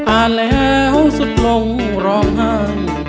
อ่านแล้วสุดลงร้องไห้